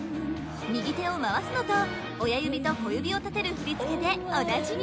右手を回すのと親指と小指を立てるフリつけでおなじみ